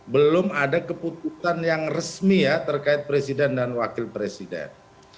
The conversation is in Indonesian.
belum ada keputusan yang resmi ya terkait presiden dan wakil presiden